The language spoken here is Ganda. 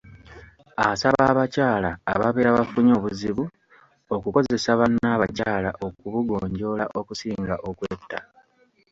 Asaba abakyala ababeera bafunye obuzibu, okukozesa bannabakyala okubugonjoola okusinga okwetta.